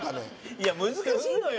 いや難しいのよ。